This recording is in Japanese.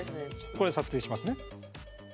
これで撮影しますね。